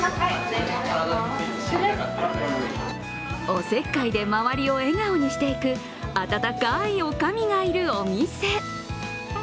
おせっかいで周りを笑顔にしていく、あたたかい女将がいるお店。